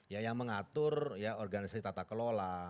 ya yang mengatur ya organisasi tata kelola